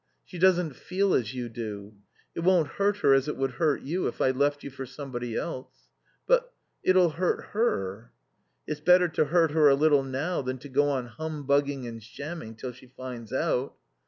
She doesn't feel as you do. It won't hurt her as it would hurt you if I left you for somebody else." "But it'll hurt her." "It's better to hurt her a little now than to go on humbugging and shamming till she finds out.